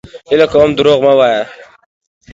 هيله کوم دروغ مه وايه!